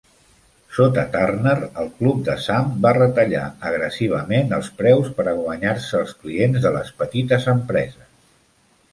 Sota Turner, el Club de Sam va retallar agressivament els preus per a guanyar-se als clients de les petites empreses.